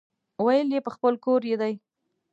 ويل يې چې خپل کور يې دی.